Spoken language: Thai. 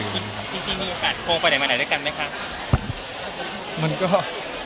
จริงมีอากาศโฟนไปไหนมาไหนด้วยกันไหมครับ